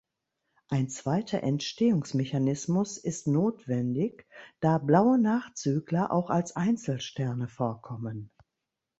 Ein zweiter Entstehungsmechanismus ist notwendig, da Blaue Nachzügler auch als Einzelsterne vorkommen.